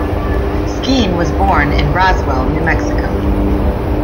Skeen was born in Roswell, New Mexico.